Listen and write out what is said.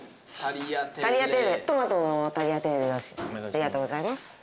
ありがとうございます。